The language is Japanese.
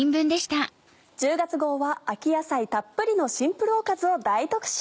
１０月号は秋野菜たっぷりのシンプルおかずを大特集。